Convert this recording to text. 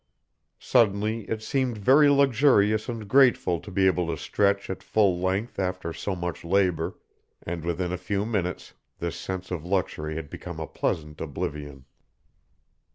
Suddenly it seemed very luxurious and grateful to be able to stretch at full length after so much labor, and within a few minutes this sense of luxury had become a pleasant oblivion.